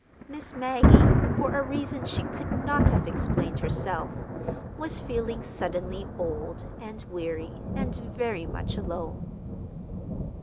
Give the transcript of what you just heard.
Miss Maggie, for a reason she could not have explained herself, was feeling suddenly old, and weary, and very much alone.